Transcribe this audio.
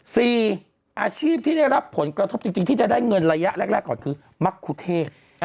อาชีพที่ได้รับผลกระทบจริงที่จะได้เงินระยะแรกก่อนคือมะคุเทศ